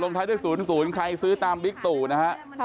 ท้ายด้วย๐๐ใครซื้อตามบิ๊กตู่นะฮะ